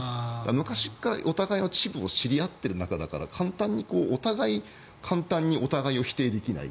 昔からお互いの恥部を知り合っている仲だからお互いに簡単にお互いを否定できない。